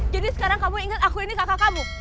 jadi sekarang kamu inget aku ini kakak kamu